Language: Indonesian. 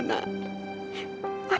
apa yang bisa ibu lakukan